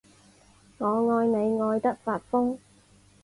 我爱你爱的发疯